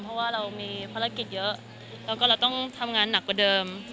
เพราะว่าเรามีภารกิจเยอะแล้วก็เราต้องทำงานหนักกว่าเดิม